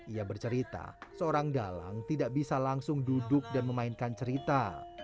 ia bercerita seorang dalang tidak bisa langsung duduk dan memainkan cerita